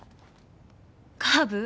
カーブ？